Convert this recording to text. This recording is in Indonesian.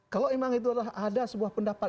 kalau memang itu adalah ada sebuah pendapat